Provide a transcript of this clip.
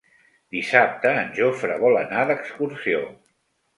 Dissabte en Jofre vol anar d'excursió.